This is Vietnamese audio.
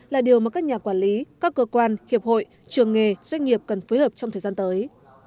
là điều mà các nhà quản lý các cơ quan hiệp hội trường nghề doanh nghiệp cần phối hợp trong thời gian tới